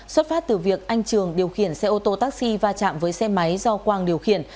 xuất phát từ việc anh trường điều khiển xe ô tô taxi va chạm với xe máy do quang điều khiển